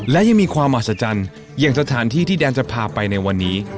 และยังมีความอัศจรรย์อย่างสถานที่ที่แดนจะพาไปในวันนี้